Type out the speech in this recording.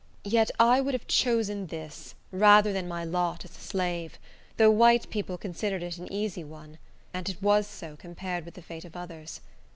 Yet I would have chosen this, rather than my lot as a slave, though white people considered it an easy one; and it was so compared with the fate of others.